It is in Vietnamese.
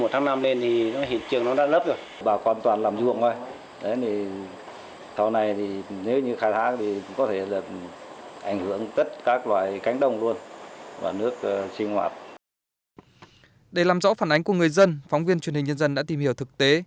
theo phản ánh của người dân phóng viên truyền hình nhân dân đã tìm hiểu thực tế